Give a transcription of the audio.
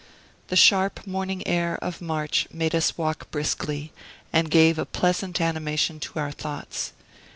The sharp morning air of March made us walk briskly, and gave a pleasant animation to our thoughts.